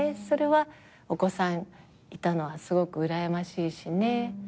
それはお子さんいたのはすごくうらやましいしね。